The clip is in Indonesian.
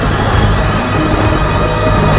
saat ini di luar sana